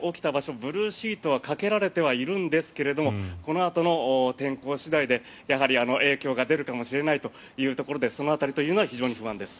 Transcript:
ブルーシートはかけられてはいるんですがこのあとの天候次第で影響が出るかもしれないということでその辺りというのは非常に不安です。